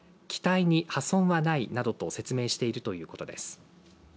機体に破損はないなどと説明しているということです。